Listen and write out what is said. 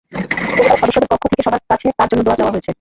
পরিবারের সদস্যদের পক্ষ থেকে সবার কাছে তাঁর জন্য দোয়া চাওয়া হয়েছে।